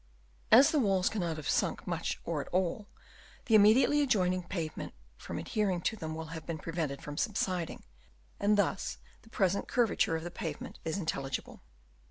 As the walls cannot have sunk much or at all, the immediately adjoining pavement from adhering to them will have been prevented from subsiding ; and thus the present curvature of the pavement is intelligible.